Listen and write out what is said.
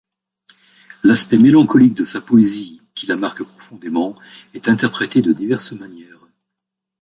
L'aspect mélancolique de sa poésie, qui la marque profondément, est interprétée de diverses manières.